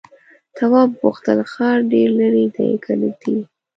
تواب وپوښتل ښار ډېر ليرې دی که نږدې دی؟